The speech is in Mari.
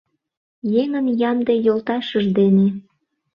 Еҥын ямде йолташыж дене